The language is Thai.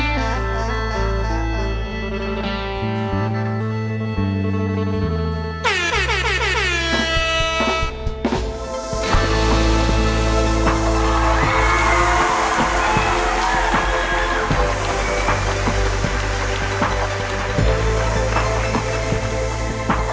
โปรดติดตามตอนต่อไป